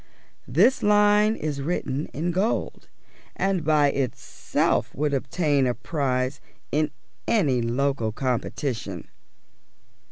This line is written in gold, and by itself would obtain a prize in any local competition.